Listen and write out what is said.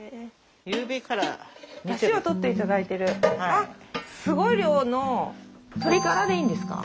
あすごい量の鶏ガラでいいんですか？